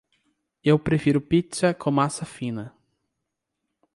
Eu prefiro pizza com massa fina.